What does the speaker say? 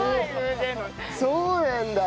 そうなんだ。